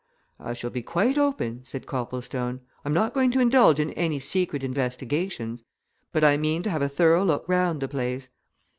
"I shall be quite open," said Copplestone. "I'm not going to indulge in any secret investigations. But I mean to have a thorough look round the place.